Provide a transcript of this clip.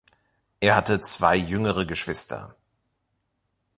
Er hatte zwei jüngere Geschwister.